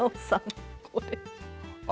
これ。